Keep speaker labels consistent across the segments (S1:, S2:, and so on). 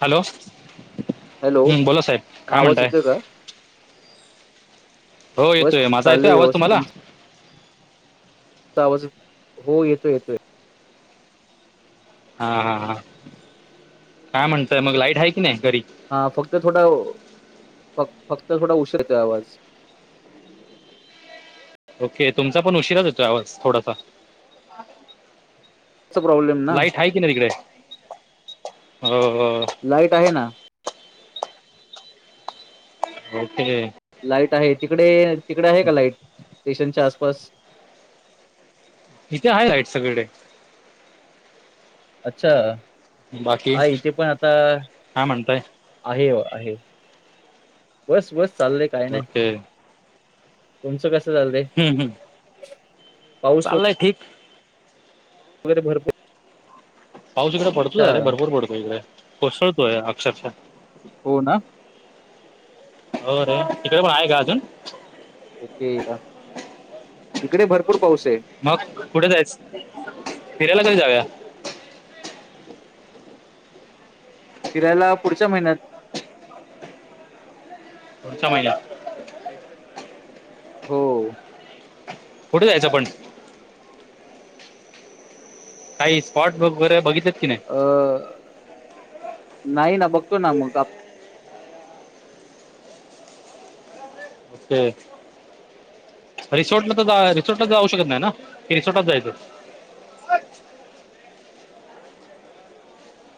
S1: Hello.
S2: Hello
S1: हम्म बोला साहेब
S2: हा
S1: काय
S2: आवाज
S1: म्हणताय?
S2: येतोय का
S1: हो
S2: बस
S1: येतोय. माझा येतोय
S2: चाललंय
S1: आवाज
S2: व्यवस्थित
S1: तुम्हाला?
S2: तुमचा आवाज येतो, हो येतोय येतोय.
S1: हा हा हा काय म्हणताय म, लाईट हाय की नाय घरी?
S2: हा फक्त थोडा, फक फक्त थोडा उशीर येतोय आवाज.
S1: ओके. तुमचा पण उशिराच येतोय आवाज थोडासा.
S2: प्रॉब्लेम ना
S1: लाईट हाय कि नाही तिकडे? अं
S2: लाईट आहे ना.
S1: ओके.
S2: लाईट आहे. तिकडे तिकडे आहे का लाईट स्टेशनच्या आसपास.
S1: इथे आहे लाईट सगळीकडे.
S2: अच्छा
S1: बाकी
S2: आहे इथे पण आता.
S1: काय म्हणताय
S2: आहे आहे बस बस चाललंय काय नाही.
S1: ओके
S2: तुमचं कसं चालय?
S1: हम्म हम्म. चाल्लय ठीक.
S2: बर बर ते
S1: पाऊस इकडे पडतोया रे. भरपूर पडतोय इकडे. कोसळतोय अक्षरशः.
S2: हो ना.
S1: हो रे. तिकडे पण आहे का अजून?
S2: ओके. इकडे भरपूर पाऊसे.
S1: मग कुठे जायचं? फिरायला कधी जाऊया?
S2: फिरायला पुढच्या महिन्यात.
S1: पुढच्या महिन्यात.
S2: हो.
S1: कुठे जायचं पण? काही स्पॉट बुक वगैेरे बघिल्यात की नाही?
S2: अं नाही ना बघतो ना मग आ
S1: ओके. रिसॉर्टला तर जा रिसोर्टला जाऊ शकत नाही ना की रिसॉर्टात जायचं?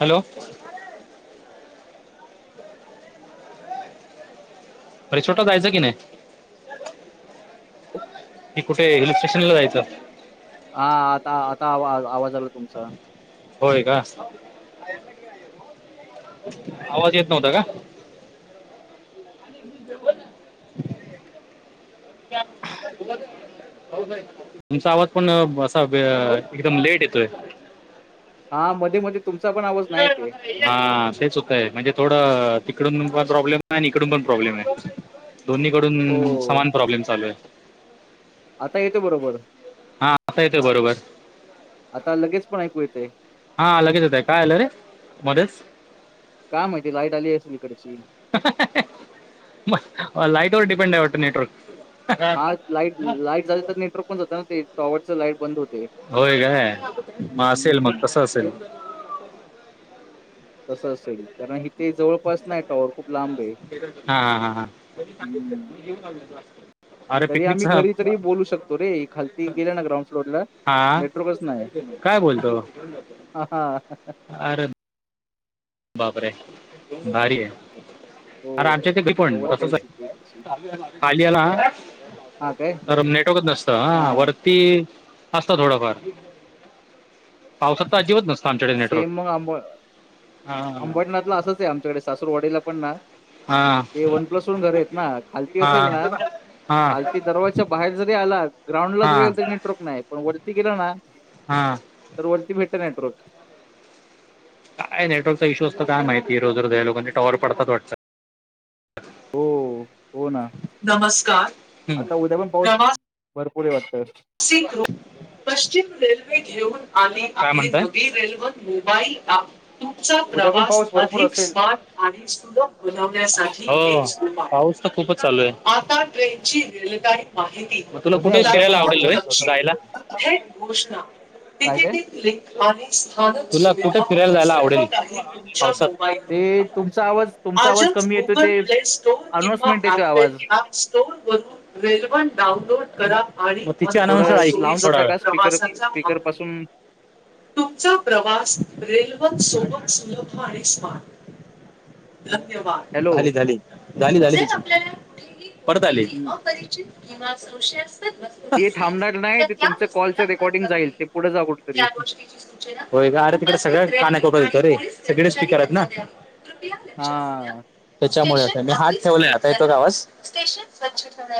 S1: हॅलो. रिसॉर्ट ल जायच की नाही कि कुठे हिल स्टेशनला जायचं?
S2: हा आता आता आवा आवाज आला तुमचा.
S1: होय का आवाज येत नव्हता का? आणि [unintelligible] हो [inaudible] [unintelligible] तुमचा आवाज पण ब असा एकदम लेट येतोय.
S2: हा मध्ये मध्ये तुमचा पण आवाज नाही ते.
S1: हा तेच होतं आहे म्हणजे थोडं तिकडून पण प्रॉब्लेम आहे आणि इकडून पण प्रॉब्लेम आहे. दोन्ही कडून
S2: हो
S1: समान प्रॉब्लेम चालू आहे.
S2: आता येतो बरोबर.
S1: हा आता येतोय बरोबर.
S2: आता लगेच पण ऐकू येतय.
S1: हा लगेच होेत आहे काय आलं रे मध्येच.
S2: काय माहिती लाईट आली असेल इकडची.
S1: [unintelligible] मग लाईटवर डीपेंड आहे वाटत नेटवर्क.
S2: हा लाईट लाईट झाली तर नेटवर्क पण जात ना ते टॉवरच लाईट बंद होते.
S1: होय काय मग असेल मग
S2: हम्म.
S1: तसं असेल.
S2: तसं असले. कारण इथे जवळपास नाही टॉवर खूप लांब आहे
S1: हां हां हां हां
S2: हम्म.
S1: [inaudible]
S2: तरी आम्ही
S1: पिकनिकचा
S2: घरी तरी बोलू शकतो रे खालती गेल्या ना ग्राउंड फ्लोर ला.
S1: हा काय बोलतो
S2: हा हा
S1: अरे. बापरे भारी आहे.
S2: हो
S1: अरे आमच्या ते पण [inaudible]
S2: अवघड
S1: कसच
S2: परिस्थिती इकडची.
S1: आहे पालयाला.
S2: हा काय?
S1: अर नेटवकत असत
S2: हा
S1: वर. ती असता थोडाफार पावसात तर अजिबात नसत आमच्याकडे नेटवर्क.
S2: सेम मग आंबो
S1: हां
S2: अंबरनाथला असंच आहे आमच्याकडे सासूरवाडीला पण ना
S1: हां
S2: ते वन प्लस वून घर आहेत ना खालती असेल ना
S1: हां
S2: खालती दरवाज. बाहेर जरी आला ग्राउंडला
S1: हां
S2: जरी तरी नेटवर्क नाही पण वरती गेला ना
S1: हा
S2: तर वरती भेटत नेटवर्क.
S1: काय नेटवर्कचा इशू असतंय काय माहिती रोज रोज या लोकांची टॉवर पडतात वाटत.
S2: हो हो ना
S1: हम्म.
S2: आता उद्या पण पाऊस. भरपूर हे वाटत.
S1: सीख रू [unintelligible] पश्चिम रेल्वे घेऊन आणि काय म्हणता [unintelligible] रेल्वर मोबाईल. [inaudible] तुमचा
S2: उद्या पण
S1: प्रवास
S2: पाऊस भरपूर
S1: अधिक
S2: असेल
S1: स्मार्ट. [unintelligible] हो पाऊस तर खूप च चालू आहे. [unintelligible] मा तुला
S2: उद्या
S1: कुठे
S2: उद्या
S1: फीरयल
S2: पण असेल
S1: आवडल
S2: भरपूर असं
S1: जायला?
S2: बोलतोय काय काय
S1: तुला कुठे फिरायला जायला आवडेल? पावसात?
S2: ते तुमचा आवाज तुमचा आवाज कमी येतोय ते
S1: म
S2: अनाउन्समेंट येतोय आवाज
S1: तिच्या - अनाउंस
S2: थोडं
S1: ऐक थोडा वेळ.
S2: हम्.
S1: तुमचा प्रवास रेल्वे सोबत सुलभ आणि स्मार्ट- धन्यवाद!
S2: हॅलो
S1: झाली झाली. झाली झाली तिची. परत आली. किंवा संशयास्पद वस्तू -
S2: ते थांबणार नाही. ते तुमच कॉलचं रेकॉर्डिंग जाईल ते पुढे जा कुठंतरी.
S1: होय का? अरे तिकडे सगळ्या पाण्या [unintelligible] होेत रे सगळेच [unintelligible]
S2: हा
S1: त्याच्यामुळे. मी हात ठेवलाय. आता येतो का आवाज?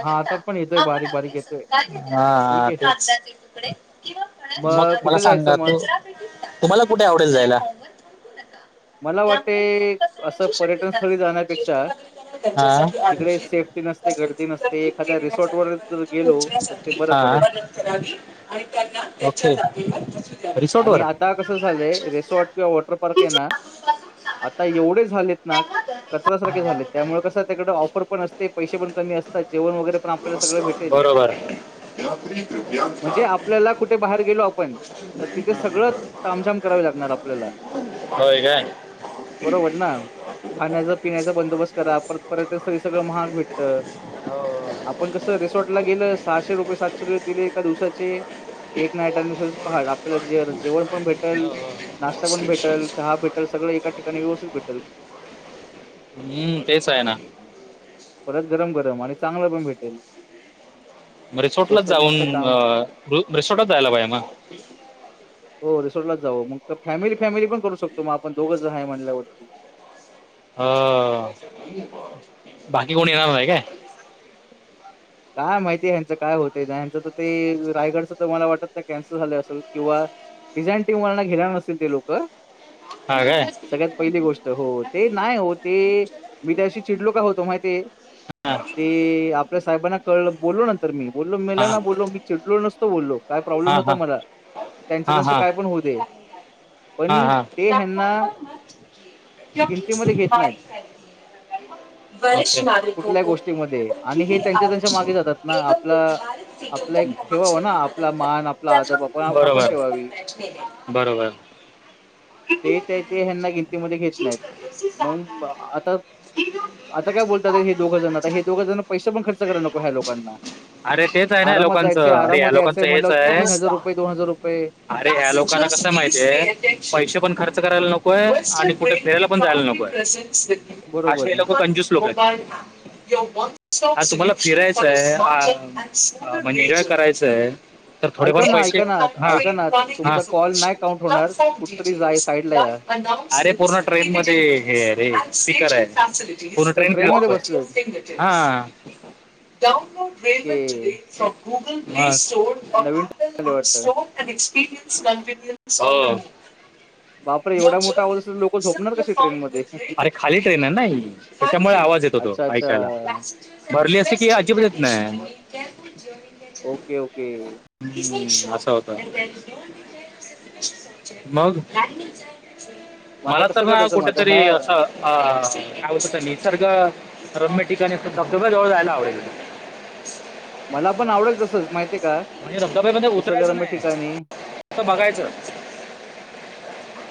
S2: हा आता पण येतोय बारीक बारीक येतोय
S1: हां.
S2: ठीक
S1: हां.
S2: आहे
S1: तेच.
S2: मग
S1: मगं मला
S2: कुठे जायचं
S1: सांगा.
S2: मग
S1: तू तुम्हांला कुठे आवडेल जायंला?
S2: मला वाटते असं पर्यटन स्थळी जाण्यापेक्षा जिकडे सेफ्टी
S1: हां.
S2: नसते गर्दी नसते. एखाद्या रिसॉर्ट वर जर गेलो तरं ते बरं-
S1: आं?
S2: पडेल
S1: अच्छा [unintelligible]
S2: आणि आता कसं झालंय? रेसॉर्ट किंवा वॉटर पार्क आहे ना? आता एवढे झालेत ना- कचऱ्यासारखे झालेत. त्यामुळे कसं तिकडं ऑफर पणं असतें. पैसे पणं कमी असतांत. जेवणं वगैरें पणं सगळं आपल्याला सगळं भेटेल.
S1: [inaudible]
S2: याला कुठे बाहेर गेलो आपणं- तरं तिथे सगळं तामझाम करावी लागणार आपल्यांला.
S1: होय काय
S2: बरोबर नां? खाण्यांचा पिण्यांचा बंदोबस्तं करा. परतं पर्यटन स्थळीं सगळं महाग भेटतं.
S1: हो हो.
S2: आपणं कसं रिसॉर्ट लां गेलो सहाशे रुपये सातशे रुपये दिले एका दिवसाचे- एक नाईट आणि दुसऱ्या दिवसाचं पहाट आपल्याला जे जेवणं पणं भेटल- नाश्ता पणं भेटल. चहा भेटल. सगळं एका ठिकाणीं व्यवस्थित भेटल.
S1: हम्मं. तेचं आहे ना.
S2: परतं गरम गरम आणि चांगलं पणं भेटेल.
S1: रिसोर्टलांच
S2: स्वस्तात मस्त
S1: जाऊंन,
S2: काम
S1: अं- रिसॉर्टलाचं जायला पाहिजे ना?
S2: हो. रिसॉर्टलाच जावं. मगं कां फॅमिली फॅमिली पणं करूं शकतो मगं, आपणं दोघांच जण आहे म्हणल्यावरती.
S1: हा. बाकी कोणी येणारं नाहीं कायं?
S2: कायं माहिती ह्यांचं कायं होतय ना? ह्यांचं तरं ते रायगडचं तरं मला वाटतं कॅन्सल झालं असेल किंवा- डिझाईन टीम वाल्यांना घेणारं नसतील ते लोकं.
S1: हां काय?
S2: सगळ्यांत पहिली गोष्ट. हो. ते नाहीं हो ते मी त्या दीवशी चिडलो कां होतो माहिती आहे?
S1: हां.
S2: ते आपल्या साहेबांना कळ बोललो. नंतर मी बोललो मेला
S1: हा
S2: नां बोलो मी चिडलो नसतो बोललो. कायं प्रॉब्लेम
S1: हा
S2: नव्हता
S1: हा
S2: मला. त्यांचं
S1: हा
S2: त्यांचं
S1: हा
S2: कायं पणं होऊ दे.
S1: हा
S2: पणं
S1: हा
S2: ते ह्यांना-
S1: क्योकिसे
S2: किमतीमध्ये घेत नाहीत.
S1: बिमारी फैलती है
S2: कुठल्या गोष्टीमध्ये आणि हे त्यांच्या त्यांच्या मागे जातात ना आपला आपला एक ठेवावा ना आपला मान, आपला आदब आपण
S1: [inaudible]
S2: आपण
S1: बरोबर.
S2: ठेवावी.
S1: बरोबर.
S2: ते ते ते ह्यांना गिनतीमध्ये घेतं नाहीत मगं ब आता आता कायं बोलतात हे दोघजंण आता हे दोघं जणाना पैसे पणं खर्च करायला नको ह्या लोकांना
S1: अरे तेच आहे नां
S2: आरामात
S1: लोकांच
S2: जायचंय,
S1: अरे या
S2: आरामात
S1: लोकांच
S2: यायचंय
S1: हेचं
S2: म्हणल्यावर
S1: आहे.
S2: रुपये, रुपये
S1: अरे ह्या लोकांना कसं माहितय पैसे पणं खर्च करायला नकोय आणि कुठे फिरायला पणं जायला नकोय असे
S2: बरोबर.
S1: हे लोकं कंजुस लोकं आहेत. हां तुम्हाला फिरायचंय अ म्हणजे एन्जॉय करायचंय आहे. तरं थोडेफार
S2: ऐका ना,
S1: पैसे
S2: ऐका ना,
S1: हां
S2: ऐका ना, तुमचा कॉल नाही काउंट होणार. कुठेतरी जा साइडला या.
S1: हां अरे पूर्ण ट्रेन मध्यें हे आहे रे स्पीकर आहे. पूर्ण
S2: अच्छा
S1: ट्रेन
S2: ट्रेनमध्ये
S1: फिरतोस
S2: बसलेत.
S1: होय
S2: ओके.
S1: हा
S2: नवीन ट्रेन आली
S1: मस्तं
S2: वाटतं.
S1: [unintelligible]
S2: बापरे एवढा मोठा आवाज असंच लोकं झोप
S1: अरे खाली ट्रेन आहे ना ही त्यांच्यामुळे आवाज येतो तो
S2: अच्छा,
S1: ऐकायला
S2: अच्छा.
S1: भरली असतें की अजिब येत नाही
S2: ओके ओके
S1: असं होता मग
S2: मग आता
S1: मला
S2: कसं
S1: तरं नां
S2: करायचं मग आता
S1: कुठेतरी
S2: ह्या
S1: असं अ कायं होतं ते निसर्ग रोममॅटिक आणि असं धबधबा जवळं जायला आवडेल
S2: मला पण आवडेल तसंच माहितीय का
S1: म्हणजे धबधब्यामध्ये उतरायचं
S2: निसर्गरम्य
S1: नाही
S2: ठिकाणी.
S1: फक्त बघायचं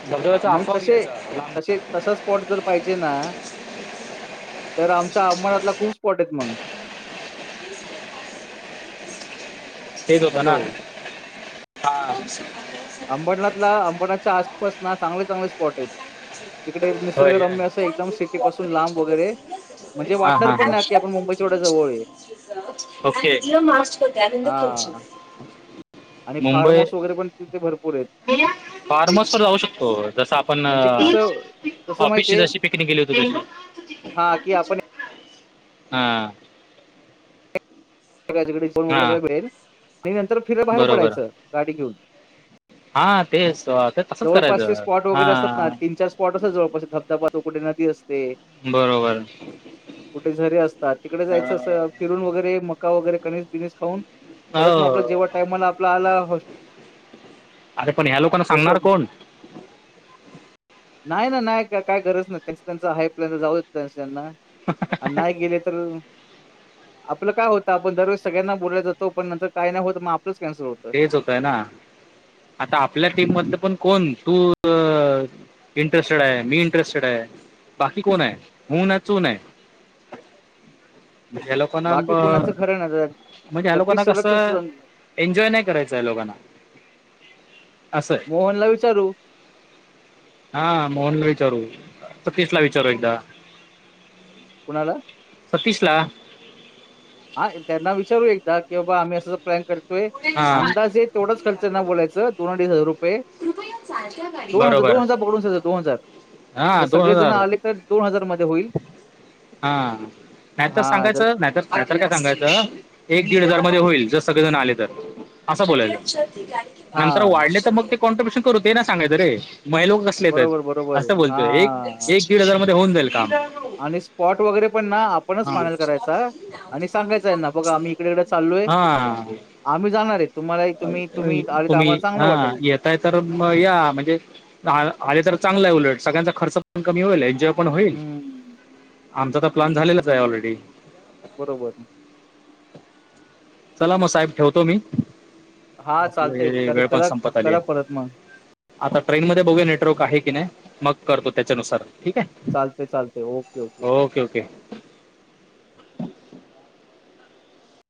S1: धबधब्याचा आस्वाद घ्यायचा लांब
S2: तसच स्पॉट जर पाहिजे ना तर आमच्या अवमळातला खूप स्पॉट आहेत मग
S1: तेच होत ना
S2: हॅलो.
S1: हा
S2: अंबरनाथला अंबरनाथच्या आसपास ना चांगले चांगले स्पॉट आहेत. जिकडे निसर्ग
S1: होय काय?
S2: रम्य असं एकदम सिटी पासून लांब वगैरे म्हणजे
S1: हा
S2: वाटणार
S1: हा हा
S2: पण नाही की आपण मुंबई हा
S1: [inaudible]
S2: आणि फार्म हाऊस वगैरे पण तिथे भरपूर आहेत.
S1: फार्महाऊसवर जाऊ शकतो जस आपण
S2: म्हणजे कसं कसं
S1: ऑफिसची
S2: माहितीये
S1: जशी पिकनिक गेली होती तशी
S2: हा की आपण
S1: हा हां
S2: [inaudible]
S1: हा तेच अ ते तसंच
S2: जवळपासचे
S1: करायचं
S2: स्पॉट
S1: हा
S2: वगैरे असतात ना तीन चार स्पॉट असतो जवळपास धबधबा तर कुठे नदी असते.
S1: बरोबर
S2: कुठे झरे असतात तिकडं जायचं अस
S1: अ,
S2: फिरून वगैरे मका वगैरे कनिस बिनीस खाऊन परत
S1: हो
S2: मग जेव्हा टाइमाला आपला आला
S1: अरे पण ह्या लोकांना सांगणार
S2: रेसॉर्ट
S1: कोण
S2: नाही ना नाही का काय गरज नाही त्यांच त्यांच हाय आहे प्लान तर जाऊदे त्यांच त्यांना आणि नाही गेले तर आपलं काय होत. आपण दरवेस सगळ्यांना बोलवलो जातो पण नंतर काय नाही होत मग आपल च कॅन्सल होत.
S1: तेच होतय ना आता आपल्या टीम मधनं पण कोण तू इंटरेस्टेड आहे मी इंटरेस्टेड आहे बाकी कोण आहे हूं नाही चू नाही. ह्या लोकांना ब
S2: बाकी कोणाचं खरं ना
S1: म्हणजे ह्या
S2: जगदीश
S1: लोकांना
S2: सरच
S1: कसं एन्जॉय नाही करायचा आहे या लोकांना असं आहे
S2: मोहनला विचारू
S1: हा, मोहनला विचारू, सतिशला विचार एकदा.
S2: कोणाला?
S1: सतीशला.
S2: हा, त्यांना विचारू एकदा, की बाबा आम्ही अस असं, प्लॅन करतोय,
S1: हा
S2: अंदाजे तेवढाच खर्च येणार बलायचं दोन अडीच हजार रुपये दोन हजार,
S1: बरोबर
S2: दोन हजार पकडून [unintelligible] दोन हजार,
S1: हा
S2: जर
S1: दोन
S2: सगळे जण
S1: हजार
S2: आले दोन हजार मध्ये होईल.
S1: हा, नाहीतर
S2: हा जर
S1: सांगायचं, नाहीतर नाहीतर काय सांगायचं, एक दीड हजार मध्ये होईल, जर सगळेजण आले तर. असं बोलायच,
S2: हा
S1: नंतर वाढले तर मग ते कॉन्ट्रिब्युशन करू, ते नाही सांगायचं रे म
S2: बरोबर बरोबर
S1: असं बोलतोय, एक
S2: हा
S1: दीड हजार मध्ये होऊन जाईल काम.
S2: आणि स्पॉट वगैरे पण ना आपणच
S1: हा
S2: फायनल करायचा, आणि सांगायच हेना, बघा आम्ही इकडे ईकडे चलोय
S1: हा
S2: आम्ही जाणार आहे, तुम्हाला तुम्ही तुम्ही आलात तर आम्हाला चांगलं वाटल.
S1: नाही तर म या, म्हणजे आले तर चांगलं आहे, उलट सगळ्यांचा खर्च पण कमी होईल आणि पण होईल,
S2: हम्म
S1: आमचा तर प्लन झालेलाच आहे ऑलरेडी.
S2: बरोबर.
S1: चला मग साहेब ठेवतो मी,
S2: हा चालतंय
S1: आपले
S2: कर
S1: वेळ पण
S2: करा
S1: संपत आली
S2: करा
S1: आहे.
S2: परत मग
S1: आता ट्रेन मध्ये बघूया नेटवर्क आहे की नाही, मग करतो त्याच्यानुसार ठीक आहे.
S2: चालतंय चालतंय, ओके ओके.
S1: ओके.